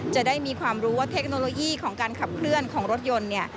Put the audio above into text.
จะได้มีความรู้ว่าเทคโนโลยีของการขับเคลื่อนของรถยนต์เนี่ย